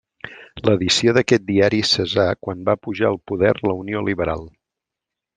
L'edició d'aquest diari cessà quan va pujar al poder la Unió Liberal.